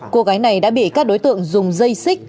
cô gái này đã bị các đối tượng dùng dây xích